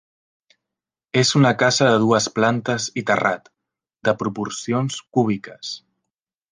És una casa de dues plantes i terrat, de proporcions cúbiques.